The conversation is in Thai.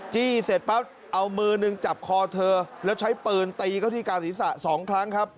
จี้เสร็จปั๊บเอามือหนึ่งจับคอเธอแล้วใช้ปืนตีเข้าที่กลางศีรษะ๒ครั้งครับ